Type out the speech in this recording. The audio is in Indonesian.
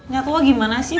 gak tau gimana sih